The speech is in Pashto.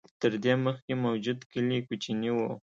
تر دې مخکې موجود کلي کوچني و.